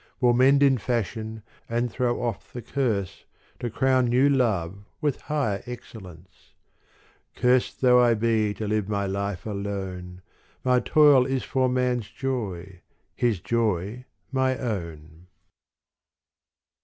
Will mend in fashion and throw off the curse. To crown new love with higher excellence. Cursed though I be to live my life alone. My toil is for man's joy, his joy my own.